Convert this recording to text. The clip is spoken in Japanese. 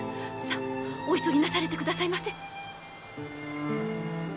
さっお急ぎなされてくださいませ！